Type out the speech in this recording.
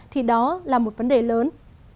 thì đó là một vấn đề lớn